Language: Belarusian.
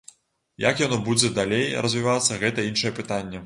Як яно будзе далей развівацца, гэта іншае пытанне.